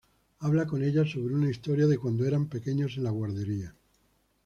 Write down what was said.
Habla con ella sobre una historia de cuando eran pequeños en la guardería.